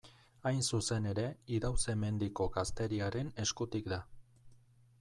Hain zuzen ere, Idauze-Mendiko gazteriaren eskutik da.